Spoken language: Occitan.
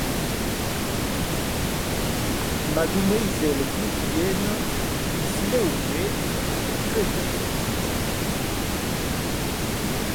Mademoiselle Bourienne se lheuèc alègraments.